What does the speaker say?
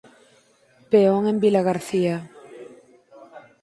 Peón en Vilagarcía.